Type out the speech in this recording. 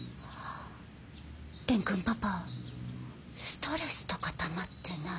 蓮くんパパストレスとかたまってない？